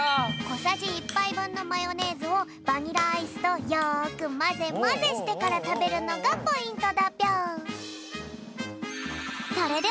こさじ１ぱいぶんのマヨネーズをバニラアイスとよくまぜまぜしてからたべるのがポイントだぴょん。